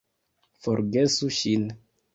Forgesu ŝin!